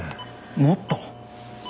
もっと？